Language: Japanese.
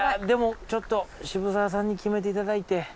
でもちょっと澁澤さんに決めていただいて。